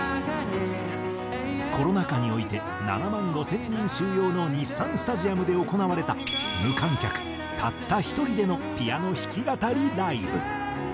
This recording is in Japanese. コロナ禍において７万５０００人収容の日産スタジアムで行われた無観客たった一人でのピアノ弾き語りライブ。